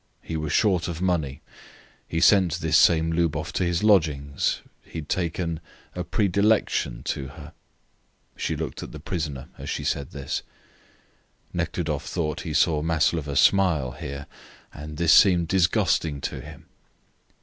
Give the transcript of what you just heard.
He was short of money. He sent this same Lubov to his lodgings. He had taken a "predilection" to her. She looked at the prisoner as she said this. Nekhludoff thought he saw Maslova smile here, and this seemed disgusting to him.